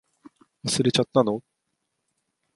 忘れちゃったの？